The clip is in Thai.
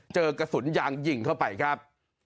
เจอกระสุนยางยิงเข้าไปครับ